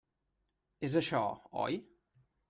És això, oi?